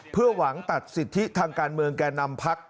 เพื่อหวังตัดสิทธิทางการเมืองแก่นำพัก